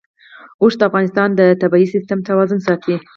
اوښ د افغانستان د طبعي سیسټم توازن ساتي.